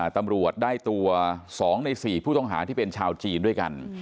ตำรวจได้ตัว๒ใน๔ผู้ต้องหาที่เป็นชาวจีนด้วยกัน